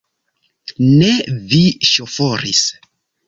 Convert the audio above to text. Ne vi ŝoforis!